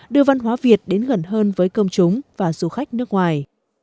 đưa văn hóa việt đến gần hơn với công chúng và du khách nước ngoài